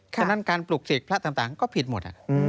ฉะนั้นการปลูกเสกพระต่างก็ผิดหมด